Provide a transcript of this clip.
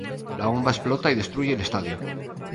La bomba explota y destruye el estadio.